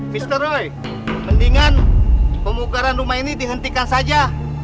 mister roy mendingan pemukaran rumah ini dihentikan saja